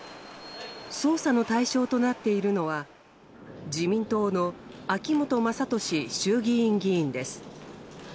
捜査の対象となっているのは自民党の秋本真利衆議院議員です。